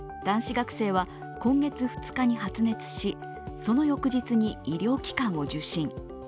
男子学生は今月２日に発熱し、その翌日に医療機関を受診。